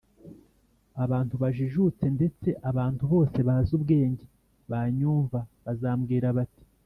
“abantu bajijutse, ndetse abantu bose bazi ubwenge banyumva, bazambwira bati